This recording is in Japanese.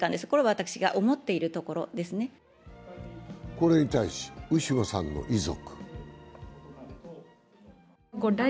これに対しウィシュマさんの遺族。